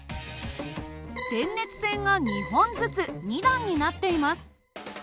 電熱線が２本ずつ２段になっています。